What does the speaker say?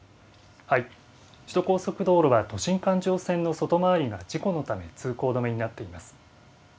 首都高速道路は都心環状線の外回りが事故のため通行止めになっています。